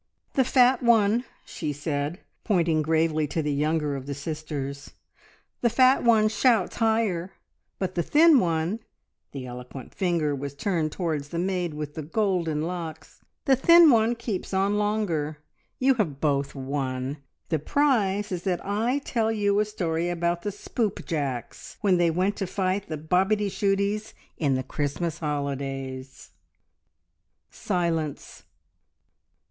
"The fat one," she said, pointing gravely to the younger of the sisters, "the fat one shouts higher, but the thin one," the eloquent finger was turned towards the maid with the golden locks, "the thin one keeps on longer. You have both won! The prize is that I tell you a story about the Spoopjacks, when they went to fight the Bobityshooties in the Christmas holidays!" Silence.